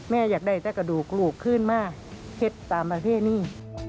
แม่อยากได้แต่กระดูกลูกขึ้นมาเท็จตามประเภทนี้